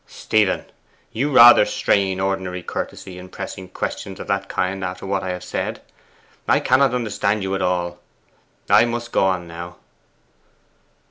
'Stephen, you rather strain ordinary courtesy in pressing questions of that kind after what I have said. I cannot understand you at all. I must go on now.